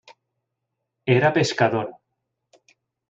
Era pescador.